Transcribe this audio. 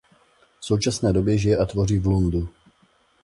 V současné době žije a tvoří v Lundu.